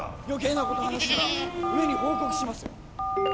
余計なこと話したら上に報告しますよ